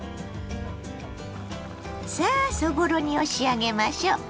さあそぼろ煮を仕上げましょう。